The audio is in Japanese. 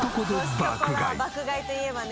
爆買いといえばね。